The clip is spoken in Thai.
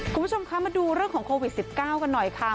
คุณผู้ชมคะมาดูเรื่องของโควิด๑๙กันหน่อยค่ะ